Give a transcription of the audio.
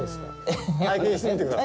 体験してみてください。